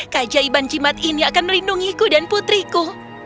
kajaiban jimat ini akan melindungiku dan putriku